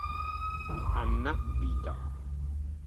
Anna Vida